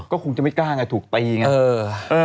ก็คงจะไม่กล้าไงถูกตีไง